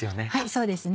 そうですね。